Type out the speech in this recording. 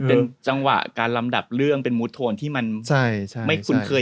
เป็นจังหวะการลำดับเรื่องเป็นมูทโทนที่มันไม่คุ้นเคย